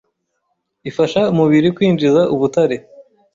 ifasha umubiri kwinjiza ubutare